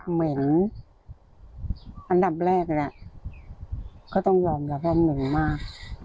เหม็นอันดับแรกน่ะก็ต้องยอมกับฟาร์มมึงมาก